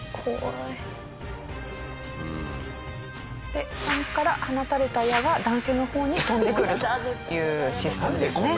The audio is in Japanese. で３から放たれた矢は男性の方に飛んでくるというシステムですね。